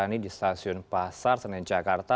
ini di stasiun pasar senen jakarta